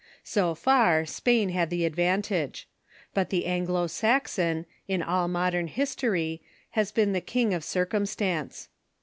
So far, Spain had the advantage. But the Anglo Saxon, in all modern history, has been the king of circumstance.